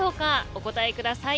お答えください。